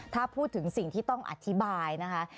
ถ้าพูดถึงสิ่งที่ต้องอธิบายนะคะ